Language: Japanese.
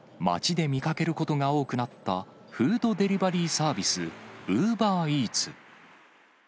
街で見かけることが多くなったフードデリバリーサービス、ウーバーイーツ。